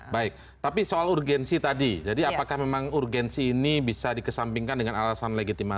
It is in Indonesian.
baik tapi soal urgensi tadi jadi apakah memang urgensi ini bisa dikesampingkan dengan alasan legitimasi